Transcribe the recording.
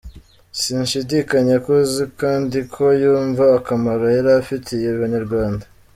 Sinshidikanya ko azi kandi ko yumva akamaro yari afitiye abanyarwanda.